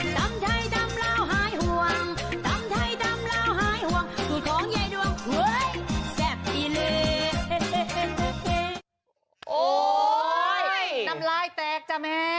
ดำลายแตกจ้ะแม่ง